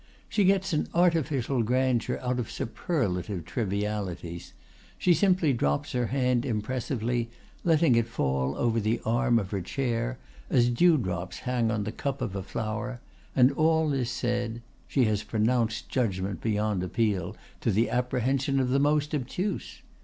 She gets an artificial grandeur out of superlative trivialities; she simply drops her hand impressively, letting it fall over the arm of her chair as dewdrops hang on the cup of a flower, and all is said—she has pronounced judgment beyond appeal, to the apprehension of the most obtuse.